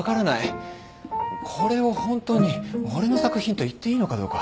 これを本当に俺の作品と言っていいのかどうか。